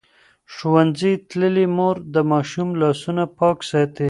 ښوونځې تللې مور د ماشوم لاسونه پاک ساتي.